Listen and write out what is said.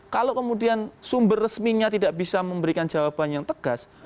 kalau kemudian sumber resminya tidak bisa memberikan jawaban yang tegas